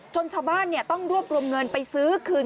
ชาวบ้านต้องรวบรวมเงินไปซื้อคืน